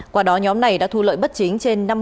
quả đó nhóm này đã thu lợi bất chính